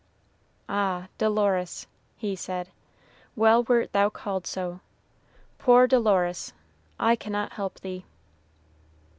"Ah, Dolores," he said, "well wert thou called so. Poor Dolores! I cannot help thee."